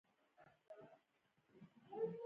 صحیح البخاري پښتو کاریال د پلای سټور څخه کښته کړئ.